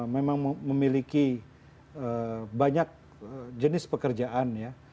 memang memiliki banyak jenis pekerjaan ya